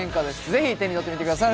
ぜひ手に取ってみてください